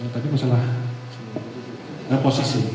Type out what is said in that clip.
tadi masalah posisi